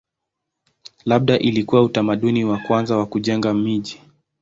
Labda ilikuwa utamaduni wa kwanza wa kujenga miji.